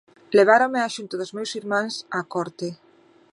Leváronme a xunto dos meus irmáns á corte.